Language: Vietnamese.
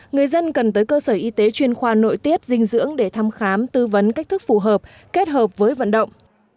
người dân cần tới cơ sở y tế chuyên khoa nội tiết dinh dưỡng để thăm khám tư vấn cách thức phù hợp kết hợp với vận động